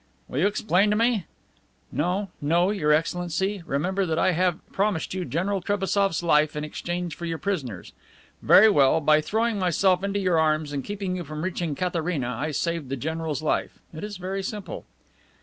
"Will you explain to me?" "No, no, Your Excellency. Remember that I have promised you General Trebassof's life in exchange for your prisoner's. Very well; by throwing myself in your arms and keeping you from reaching Katharina, I saved the general's life. It is very simple."